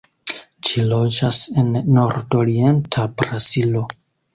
Ĝi loĝas en nordorienta Brazilo.